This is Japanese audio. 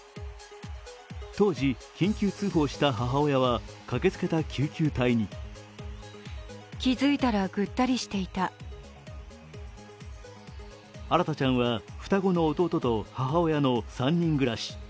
当時、緊急通報した母親は駆けつけた救急隊に新大ちゃんは双子の弟と母親の３人暮らし。